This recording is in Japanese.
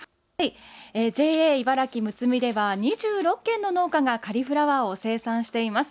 ＪＡ茨城むつみでは２６軒の農家がカリフラワーを生産しています。